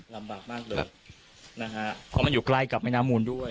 ลำบากมากเลยนะฮะเพราะมันอยู่ใกล้กับแม่น้ำมูลด้วย